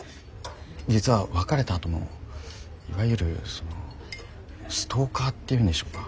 実は別れたあともいわゆるそのストーカーっていうんでしょうか。